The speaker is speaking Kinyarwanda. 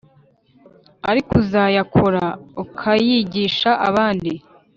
Ariko uzayakora akayigisha abandi